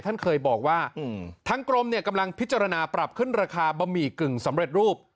ท่านเคยบอกว่าทางกรมเนี่ยกำลังพิจารณาปรับขึ้นราคาบะหมี่กึ่งสำเร็จรูป